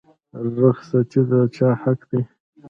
رخصتي د چا حق دی؟